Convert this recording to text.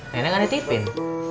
nenek gak ditipin